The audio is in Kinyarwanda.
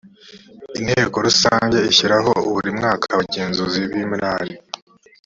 inteko rusange ishyiraho buri mwaka abagenzuzi b imari